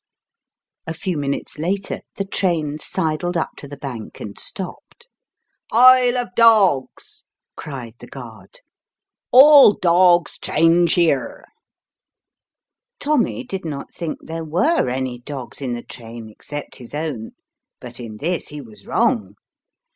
A few minutes later the train sidled up to the bank and stopped. "Isle of Dogs," cried the guard, 2O Wait till the train stops. "all dogs change here !" Tommy did not think there were any dogs in the train except his own, but in this he was wrong.